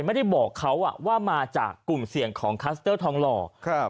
ไม่ได้บอกเขาอ่ะว่ามาจากกลุ่มเสี่ยงของคัสเตอร์ทองหล่อครับ